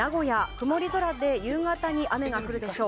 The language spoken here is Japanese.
曇り空で夕方に雨が降るでしょう。